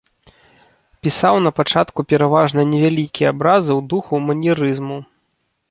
Пісаў напачатку пераважна невялікія абразы ў духу маньерызму.